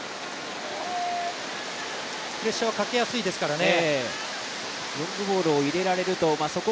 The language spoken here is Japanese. プレッシャーをかけやすいですからね。